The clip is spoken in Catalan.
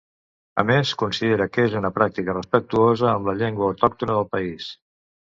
A més considera que és una pràctica respectuosa amb la llengua autòctona del país.